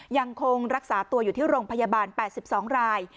ยังคงรักษาตัวอยู่ที่โรงพยาบาล๘๒ราย